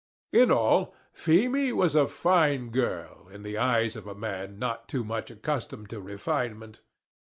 In all, Feemy was a fine girl in the eyes of a man not too much accustomed to refinement.